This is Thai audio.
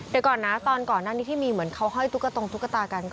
เดี๋ยวเกิดนะตอนนั้นที่มีเหมือนเขาห้อยตุ๊กอตองตุ๊กตากัน